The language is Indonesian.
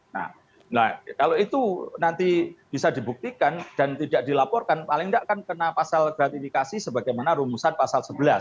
nah kalau itu nanti bisa dibuktikan dan tidak dilaporkan paling tidak akan kena pasal gratifikasi sebagaimana rumusan pasal sebelas